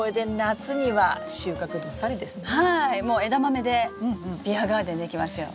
もうエダマメでビアガーデンできますよ。